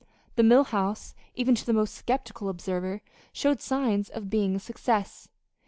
The Mill House, even to the most skeptical observer, showed signs of being a success.